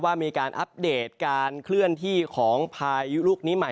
มีการอัปเดตการเคลื่อนที่ของพายุลูกนี้ใหม่